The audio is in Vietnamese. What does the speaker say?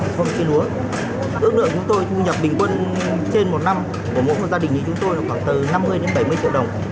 ước lượng chúng tôi thu nhập bình quân trên một năm của một con gia đình như chúng tôi là khoảng từ năm mươi đến bảy mươi triệu đồng